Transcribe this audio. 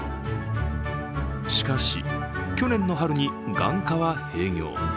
しかし、去年の春に眼科は閉業。